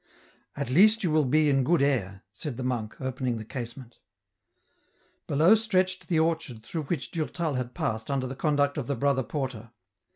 " At least you will be in good air," said the monk, open ing the casement. Below stretched the orchard through which Durtal had passed under the conduct of the brother porter.